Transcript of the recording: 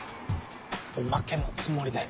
おまけのつもりで。